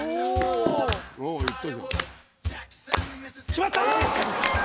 決まった！